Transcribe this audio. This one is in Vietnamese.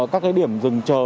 các cái điểm dừng chờ